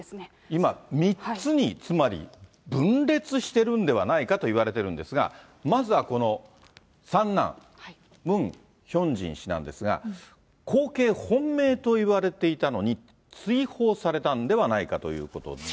今、３つにつまり分裂してるんではないかと言われてるんですが、まずはこの三男、ムン・ヒョンジン氏なんですが、後継本命といわれていたのに、追放されたんではないかということで。